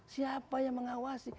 siapa yang mengawasi